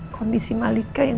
kondisi malika yang